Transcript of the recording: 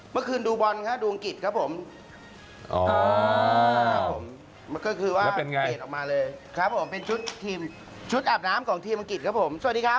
เมื่อคืนดูบอลค่ะดูอังกฤษครับผม